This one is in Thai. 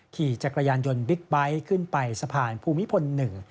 ขี่จักรยานยนต์บิ๊กไบท์ขึ้นไปสะพานภูมิพล๑